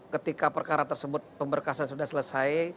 ketika perkara tersebut pemberkasan sudah selesai